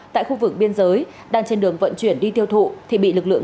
tại khu vực biên giới đang trên đường vận chuyển đi tiêu thụ thì bị lực lượng